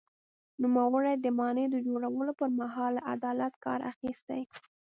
نوموړي د ماڼۍ د جوړولو پر مهال له عدالت کار اخیستی.